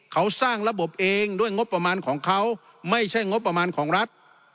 เขาสร้างระบบเองด้วยงบประมาณของเขาไม่ใช่งบประมาณของรัฐ